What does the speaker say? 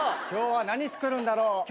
今日は何作るんだろう？